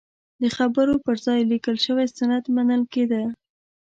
د خبرو پر ځای لیکل شوی سند منل کېده.